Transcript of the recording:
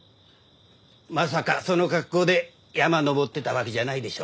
まさかその格好で山登ってたわけじゃないでしょ？